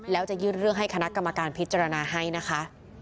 แล้วจะยื่นเรื่องให้คณะกรรมการพิจารณาให้นะคะ